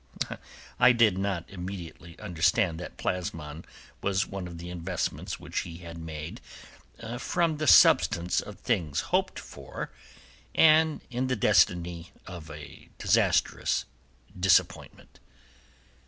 I did not immediately understand that plasmon was one of the investments which he had made from "the substance of things hoped for," and in the destiny of a disastrous disappointment.